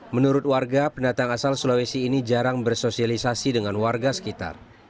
menurut warga pendatang asal sulawesi ini jarang bersosialisasi dengan warga sekitar